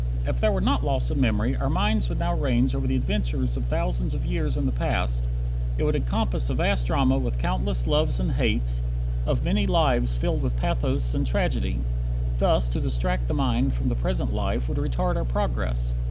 If there were not loss of memory our minds would now range over the adventures of thousands of years in the past. It would encompass a vast drama with countless loves and hates, of many lives filled with pathos and tragedy. Thus to distract the mind from the present life would retard our progress.